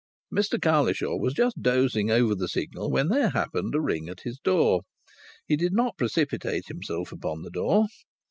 Mr Cowlishaw was just dozing over the Signal when there happened a ring at his door. He did not precipitate himself upon the door.